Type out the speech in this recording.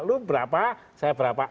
lu berapa saya berapa